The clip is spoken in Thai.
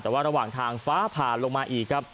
แต่ว่าระหว่างทางฟ้าผ่าลงมาอีกครับ